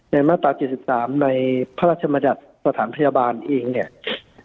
ในมาตราเจสสิบสามในพระราชมจัดสถานพยาบาลเองเนี่ย